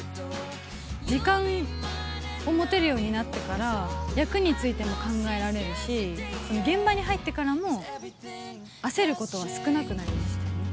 時間を持てるようになってから、役についても考えられるし、現場に入ってからも、焦ることは少なくなりましたよね。